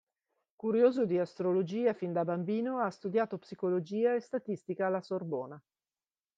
Curioso di astrologia fin da bambino, ha studiato psicologia e statistica alla Sorbona.